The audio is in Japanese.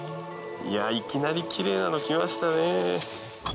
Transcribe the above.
いやいきなり奇麗なのきましたね。